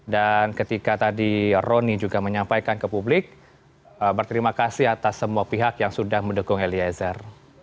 dan ketika tadi rony juga menyampaikan ke publik berterima kasih atas semua pihak yang sudah mendukung eliezer